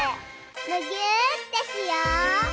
むぎゅーってしよう！